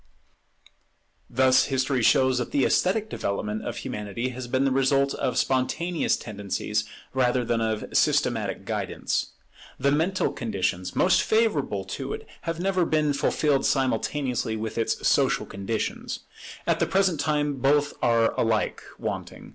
Thus history shows that the esthetic development of Humanity has been the result of spontaneous tendencies rather than of systematic guidance. The mental conditions most favourable to it have never been fulfilled simultaneously with its social conditions. At the present time both are alike wanting.